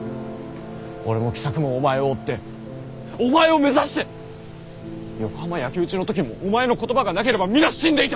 俺も喜作もお前を追ってお前を目指して横浜焼き討ちの時もお前の言葉がなければ皆死んでいた。